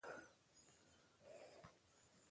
شګه ودانۍ ته شته.